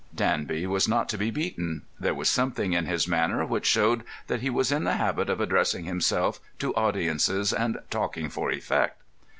Danby was not to be beaten. There was something in his manner which showed that he was in the habit of addressing himself to audiences and talking for effect.